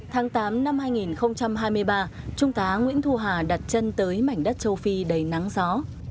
tháng tám năm hai nghìn hai mươi ba trung tá nguyễn thu hà đặt chân tới mảnh đất châu phi đầy nắng gió